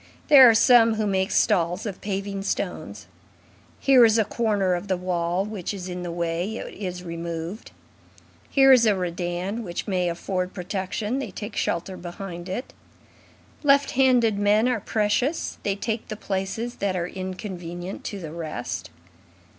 There are some who make stalls of paving stones. Here is a corner of the wall which is in the way, it is removed; here is a redan which may afford protection, they take shelter behind it. Left handed men are precious; they take the places that are inconvenient to the rest.